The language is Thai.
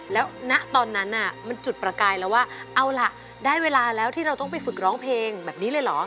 แล้วณตอนนั้นมันจุดประกายแล้วว่าเอาล่ะได้เวลาแล้วที่เราต้องไปฝึกร้องเพลงแบบนี้เลยเหรอ